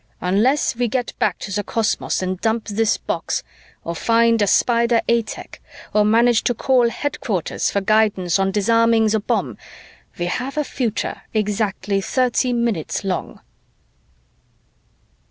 Unless we get back to the cosmos and dump this box, or find a Spider A tech, or manage to call headquarters for guidance on disarming the bomb, we have a future exactly thirty minutes long."